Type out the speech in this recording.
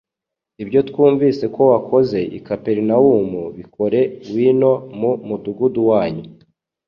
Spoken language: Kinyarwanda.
Ibyo twumvise ko wakoze i Kaperinaumu bikore Wino mu mudugudu wanyu.